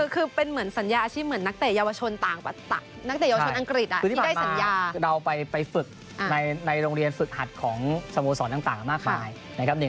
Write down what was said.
คือเป็นสัญญาอาชีพเหมือนนักเตะเยาวชนต่างประตัง